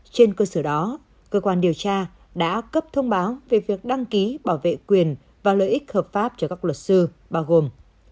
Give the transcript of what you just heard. trên cơ sở đó cơ quan điều tra đã cấp thông báo về việc đăng ký bảo vệ quyền và lợi ích hợp pháp cho các luật sư bao gồm